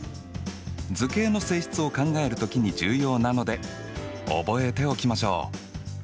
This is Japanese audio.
図形の性質を考える時に重要なので覚えておきましょう！